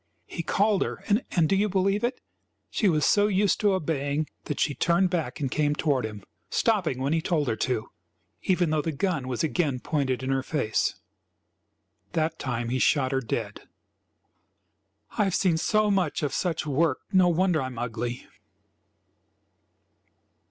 He called her, and do you believe it? she was so used to obeying that she turned back and came toward him, stopping when he told her to, even though the gun was again pointed in her face. That time he shot her dead. "I've seen so much of such work no wonder I am ugly!"